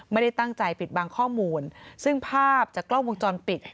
ไม่ได้ตั้งใจปิดบังข้อมูลซึ่งภาพจากกล้องวงจรปิด